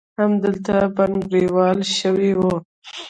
همدلته بنګړیواله شوې وه.